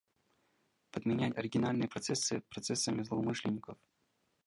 Подменять оригинальные процессы процессами злоумышленников